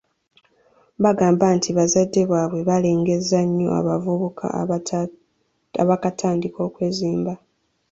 Bagamba nti bazadde baabwe balengezza nnyo abavubuka abaakatandika okwezimba.